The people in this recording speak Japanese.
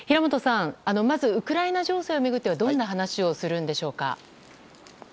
まずウクライナ情勢を巡ってはまずどんな話をするんでしょうか。